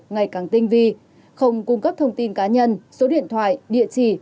ngày càng tinh vi không cung cấp thông tin cá nhân số điện thoại địa chỉ